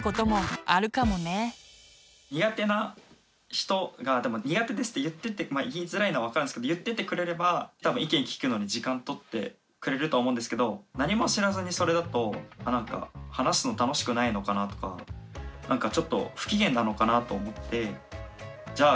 苦手な人が「苦手です」って言いづらいのは分かるんですけど言っててくれれば多分意見聞くのに時間取ってくれるとは思うんですけど何も知らずにそれだとなんか話すの楽しくないのかなとかなんかちょっと不機嫌なのかなと思ってじゃあ